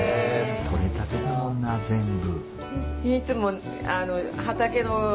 取れたてだもんな全部。